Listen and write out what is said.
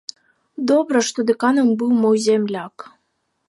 Добра, што дэканам быў мой зямляк.